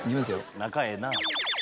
仲ええな。。